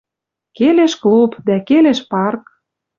Келеш клуб дӓ келеш парк.